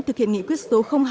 thực hiện nghị quyết số hai